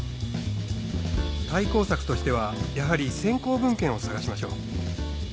対抗策としてはやはり先行文献を探しましょう。